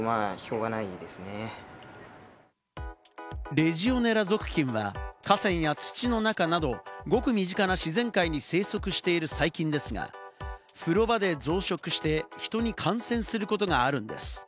レジオネラ属菌は河川や土の中など、ごく身近な自然界に生息している細菌ですが、風呂場で増殖して人に感染することがあるんです。